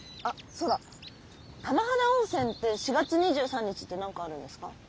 あっそうだ玉肌温泉って４月２３日って何かあるんですか？